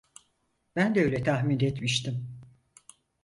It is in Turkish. Ben de öyle tahmin etmiştim.